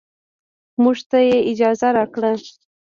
موږ ته يې اجازه راکړه.